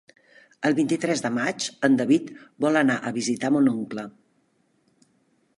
El vint-i-tres de maig en David vol anar a visitar mon oncle.